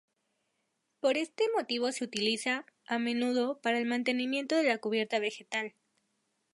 Por este motivo se utiliza, a menudo, para el mantenimiento de la cubierta vegetal.